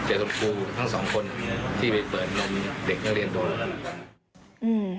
ที่ไปเปิดโน้มเด็กกำลังเรียนโดย